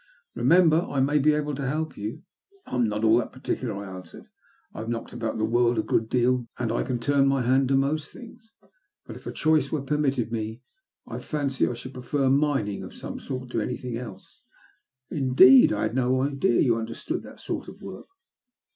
Bemember, I may be able to help you." '' I am not at all particular/' I answered. I have knocked about the world a good deal, and I can turn my hand to most things. But if a choice were permitted me, I fancy I should prefer mining of some sort to anything else." '* Indeed ! I had no idea you understood that sort of work."